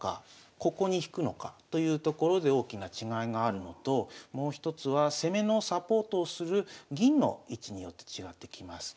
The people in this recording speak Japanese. ここに引くのかというところで大きな違いがあるのともう一つは攻めのサポートをする銀の位置によって違ってきます。